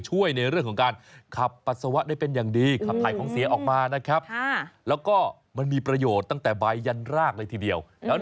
ช่วยในเรื่องของการขับปัสสาวะได้เป็นอย่างดี